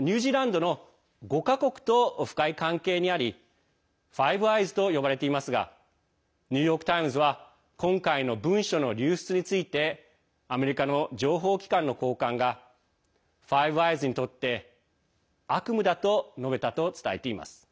ニュージーランドの５か国と深い関係にありファイブ・アイズと呼ばれていますがニューヨーク・タイムズは今回の文書の流出についてアメリカの情報機関の高官がファイブ・アイズにとって悪夢だと述べたと伝えています。